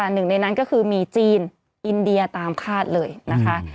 หนึ่งในนั้นก็คือมีจีนอินเดียตามคาดเลยนะคะ